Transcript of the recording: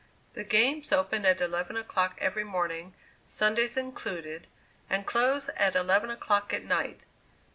The games open at eleven o'clock every morning, Sundays included, and close at eleven o'clock at night.